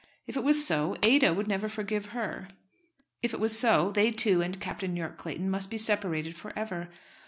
If it was so, Ada would never forgive her. If it was so, they two and Captain Yorke Clayton must be separated for ever.